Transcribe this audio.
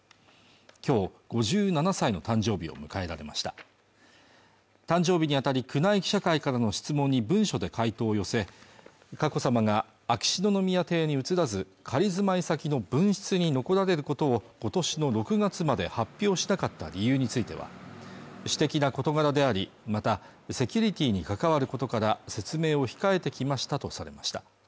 今日５７歳の誕生日を迎えられました誕生日にあたり宮内記者会からの質問に文書で回答を寄せ佳子さまが秋篠宮邸に移らず仮住まい先の分室に残られることを今年の６月まで発表しなかった理由については私的な事柄でありまたセキュリティーに関わることから説明を控えてきましたとされました